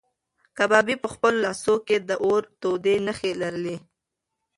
کبابي په خپلو لاسو کې د اور تودې نښې لرلې.